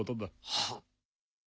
はっ。